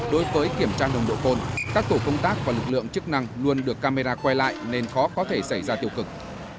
đối với kiểm tra nồng độ cồn các tổ công tác và lực lượng chức năng luôn được camera quay lại nên khó có thể xảy ra tiêu cực